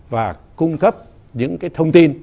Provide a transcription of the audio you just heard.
và cung cấp những cái thông tin